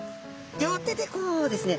両手でこうですね